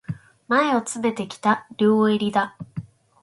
前を詰めてきた、両襟だ。